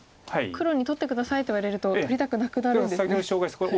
黒に取って下さいと言われると取りたくなくなるんですね。